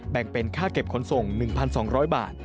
เป็นค่าเก็บขนส่ง๑๒๐๐บาท